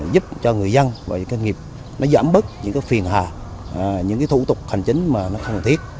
giúp cho người dân và doanh nghiệp giảm bớt những phiền hà những thủ tục hành chính không thiết